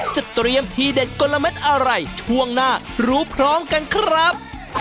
จะเตรียมที่เด่นคนละเม้นอะไรช่วงหน้ารู้พร้องกันครับ